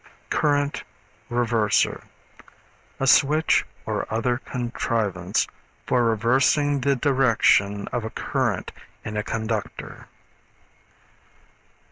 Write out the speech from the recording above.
Current Reverser. A switch or other contrivance for reversing the direction of a current in a conductor.